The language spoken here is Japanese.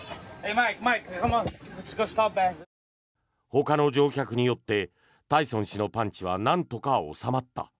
ほかの乗客によってタイソン氏のパンチはなんとか収まった。